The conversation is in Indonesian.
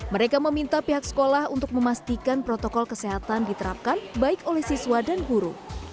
mereka meminta pihak sekolah untuk memastikan protokol kesehatan diterapkan baik oleh siswa dan guru